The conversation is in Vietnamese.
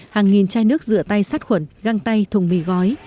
hàng nghìn chai nước rửa tay sát khuẩn găng tay thùng mì gói